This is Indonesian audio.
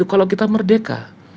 kalau kita merdeka